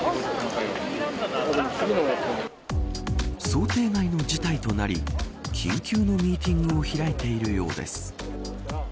想定外の事態となり緊急のミーティングを開いているようです。